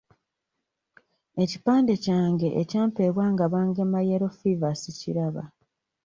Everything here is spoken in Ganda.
Ekipande kyange ekyampeebwa nga bangema yellow fever sikiraba.